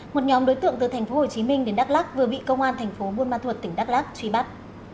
một nhóm đối tượng từ tp hcm đến đắk lắc vừa bị công an tp muôn ma thuật tỉnh đắk lắc truy bắt